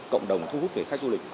cộng đồng thú hút về khách du lịch